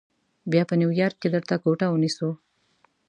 بیا به نیویارک کې درته کوټه ونیسو.